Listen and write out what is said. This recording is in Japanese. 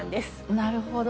なるほど。